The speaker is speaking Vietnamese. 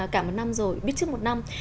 cả một năm rồi biết trước một năm